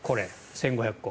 １５００個。